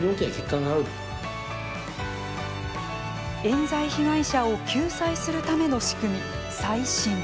えん罪被害者を救済するための仕組み、再審。